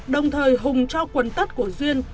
đồng thời hùng cho quần tất của duyên